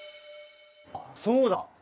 あっそうだ！